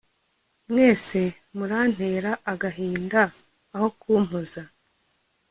mwese murantera agahinda aho kumpoza